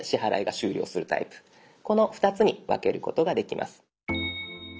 この２つに分けることができます。